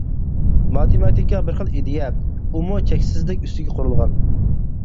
ماتېماتىكا بىر خىل ئىدىيە، ئۇمۇ چەكسىزلىك ئۈستىگە قۇرۇلغان.